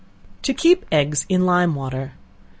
To Keep Eggs in Lime Water.